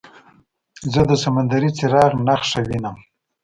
زه د سمندري څراغ نښه وینم.